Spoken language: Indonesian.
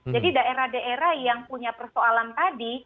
jadi daerah daerah yang punya persoalan tadi